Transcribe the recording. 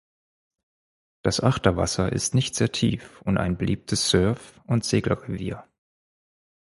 Das Achterwasser ist nicht sehr tief und ein beliebtes Surf- und Segelrevier.